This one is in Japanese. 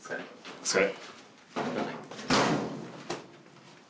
お疲れ。